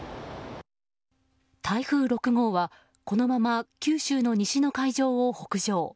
台風６号はこのまま九州の西の海上を北上。